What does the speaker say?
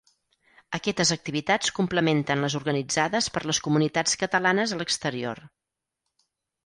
Aquestes activitats complementen les organitzades per les comunitats catalanes a l’exterior.